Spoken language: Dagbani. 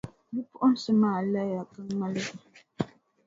Bipuɣinsi maa laya ka ŋmaligi.